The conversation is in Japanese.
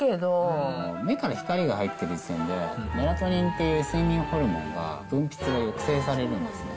目から光が入ってる時点で、メラトニンっていう睡眠ホルモンが分泌が抑制されるんですね。